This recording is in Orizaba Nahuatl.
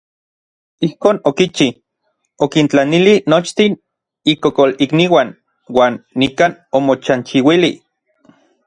Ijkon okichi, okintlanili nochtin ikokolikniuan uan nikan omochanchiuili.